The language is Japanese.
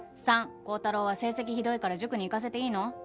３高太郎は成績ひどいから塾に行かせていいの？